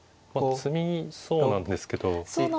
詰みそうなんですが。